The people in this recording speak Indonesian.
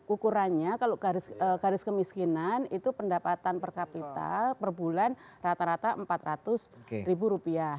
ukurannya kalau garis kemiskinan itu pendapatan per kapita per bulan rata rata rp empat ratus ribu rupiah